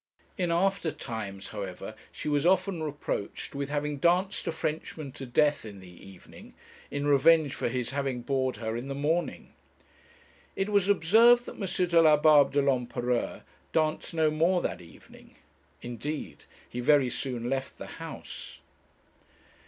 In after times, however, she was often reproached with having danced a Frenchman to death in the evening, in revenge for his having bored her in the morning. It was observed that M. Delabarbe de l'Empereur danced no more that evening. Indeed, he very soon left the house.